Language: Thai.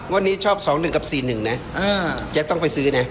วันนี้ชอบ๒๑กับ๔๑นะจะต้องไปซื้อนะ